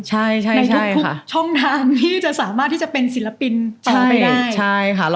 ใช่ในทุกช่องทางที่จะสามารถที่จะเป็นศิลปินต่อไปได้